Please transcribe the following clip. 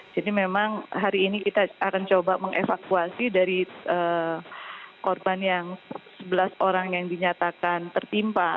jadi memang hari ini kita akan coba mengevakuasi dari korban yang sebelas orang yang dinyatakan tertimpa